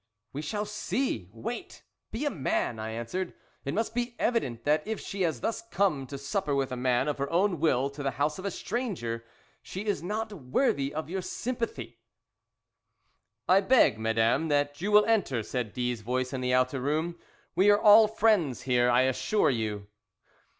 "We shall see! wait! be a man!" I answered. "It must be evident that if she has thus come to supper with a man, of her own will, to the house of a stranger, she is not worthy your sympathy." "I beg, madam, that you will enter," said D 's voice in the outer room. "We are all friends here I assure you."